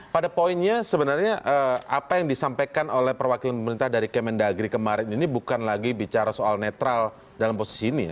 pada poinnya sebenarnya apa yang disampaikan oleh perwakilan pemerintah dari kemendagri kemarin ini bukan lagi bicara soal netral dalam posisi ini ya